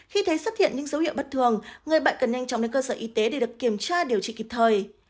khi thấy xuất hiện những dấu hiệu bất thường người bệnh cần nhanh chóng đến cơ sở y tế để được kiểm tra điều trị kịp thời